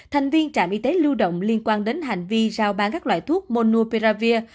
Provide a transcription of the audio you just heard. thành viên trạm y tế lưu động liên quan đến hành vi rao bán các loại thuốc monopiravir